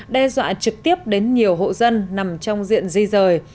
đe dọa trực tiếp đến nhiều hộ dân nằm trong diện di rời